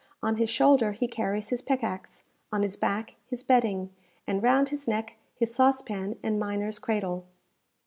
On his shoulder he carries his pickaxe, on his back his bedding, and round his neck his saucepan and miner's cradle.